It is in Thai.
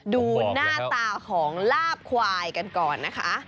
ดูหน้าตาของลาบควายกันก่อนนะคะ